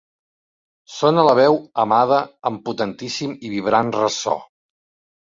Sona la veu amada en potentíssim i vibrant ressò.